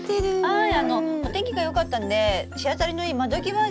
はい。